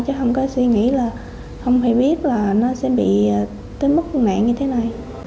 chứ không có suy nghĩ là không phải biết là nó sẽ bị tính mức nạn như thế này